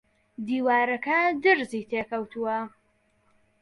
دیوارەکە درزی تێ کەوتووە